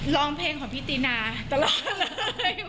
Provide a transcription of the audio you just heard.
ร้องเพลงของพี่ตีนาตลอดเลย